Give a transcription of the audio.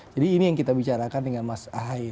jadi ini yang kita bicarakan dengan mas ahaye